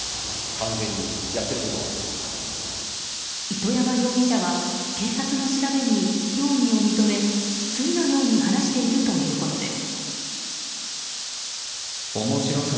糸山容疑者は警察の調べに容疑を認め次のように話しているということです。